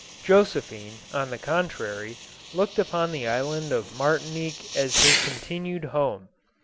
Josephine, on the contrary, looked upon the island of Martinique as her continued home.